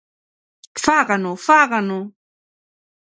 ¡Fágano, fágano!